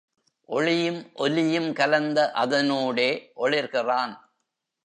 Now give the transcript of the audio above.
ஒளியும் ஒலியும் கலந்த அதனூடே ஒளிர்கிறான்.